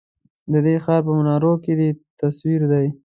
ددې ښار په منارو کی دی تصوير دی